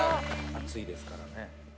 熱いですからね。